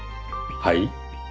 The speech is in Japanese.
はい？